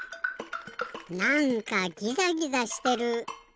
なんかギザギザしてる。